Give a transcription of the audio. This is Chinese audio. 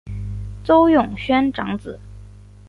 邹永煊长子。